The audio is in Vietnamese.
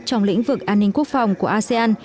trong lĩnh vực an ninh quốc phòng của asean